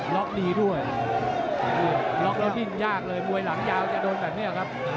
ล็อกดีด้วยล็อกแล้วดิ้นยากเลยมวยหลังยาวจะโดนแบบนี้ครับ